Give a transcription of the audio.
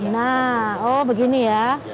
nah oh begini ya